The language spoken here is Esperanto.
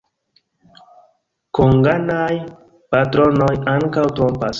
Konganaj patronoj ankaŭ trompas.